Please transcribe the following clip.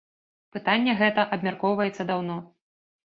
Пытанне гэта абмяркоўваецца даўно.